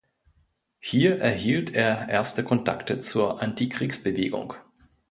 Hier erhielt er erste Kontakte zur Anti-Kriegsbewegung.